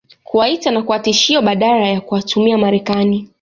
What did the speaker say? kuwaita na kuwa tishio badala ya kuwatumia Marekani